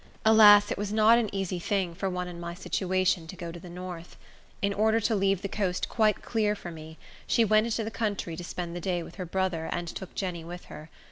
Alas, it was not an easy thing, for one in my situation, to go to the north. In order to leave the coast quite clear for me, she went into the country to spend the day with her brother, and took Jenny with her.